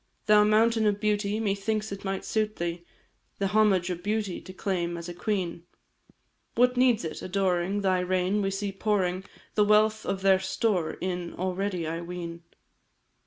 Thou mountain of beauty, Methinks it might suit thee, The homage of beauty To claim as a queen. What needs it? Adoring Thy reign, we see pouring The wealth of their store in Already, I ween.